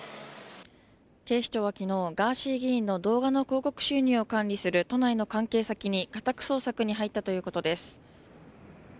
警視庁は昨日、ガーシー議員の動画の広告収入を管理する都内の関係先に家宅捜索に入ったということです。